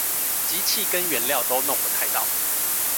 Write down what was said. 機器跟原料都弄不太到